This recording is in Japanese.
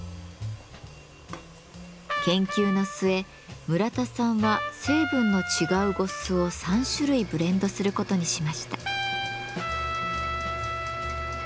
研究の末村田さんは成分の違う呉須を３種類ブレンドすることにしました。